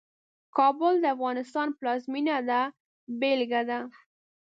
کابل د افغانستان پلازمېنه ده بېلګه ده.